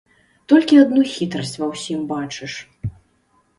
Толькі адну хітрасць ва ўсім бачыш.